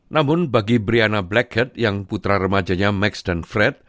namun bagi briana blackert yang putra remajanya max dan fred